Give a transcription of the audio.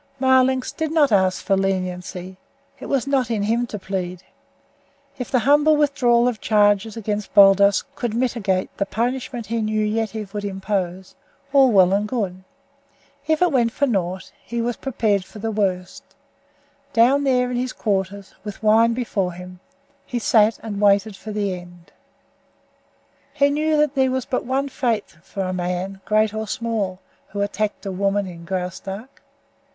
Marlanx did not ask for leniency; it was not in him to plead. If the humble withdrawal of charges against Baldos could mitigate the punishment he knew Yetive would impose, all well and good. If it went for naught, he was prepared for the worst. Down there in his quarters, with wine before him, he sat and waited for the end. He knew that there was but one fate for the man, great or small, who attacked a woman in Graustark.